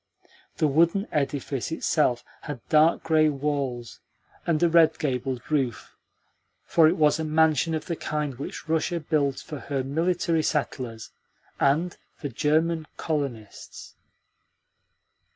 The wooden edifice itself had dark grey walls and a red gabled roof, for it was a mansion of the kind which Russia builds for her military settlers and for German colonists.